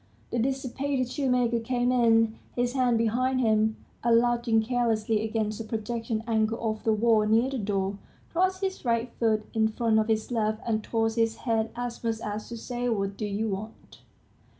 The dissipated shoemaker came in, his hands behind him, and lounging carelessly against a projecting angle of the wall, near the door, crossed his right foot in front of his left, and tossed his head, as much as to say, "What do you want?"